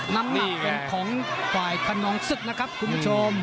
น้ำหนักเป็นของขวายคนนองซึดคุณผู้ชม